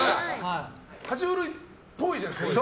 爬虫類っぽいじゃないですか。